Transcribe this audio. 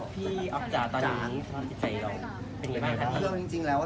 พี่อ๊อคจ๋าตอนนี้ใจเป็นยังไงครับ